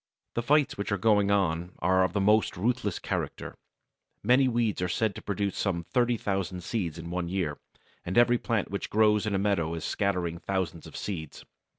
The fights which are going on are of the most ruthless character. Many weeds are said to produce some 30,000 seeds in one year, and every plant which grows in a meadow is scattering thousands of seeds.